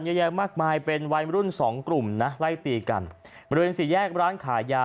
เยอะแยะมากมายเป็นวัยรุ่นสองกลุ่มนะไล่ตีกันบริเวณสี่แยกร้านขายยา